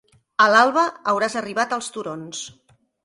A l'alba hauràs arribat als turons.